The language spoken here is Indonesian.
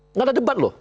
enggak ada debat loh